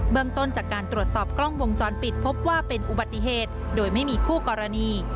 เมืองต้นจากการตรวจสอบกล้องวงจรปิดพบว่าเป็นอุบัติเหตุโดยไม่มีคู่กรณี